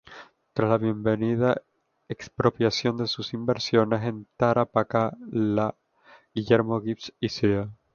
Tras la bienvenida expropiación de sus inversiones en Tarapacá, la "Guillermo Gibbs y Cía.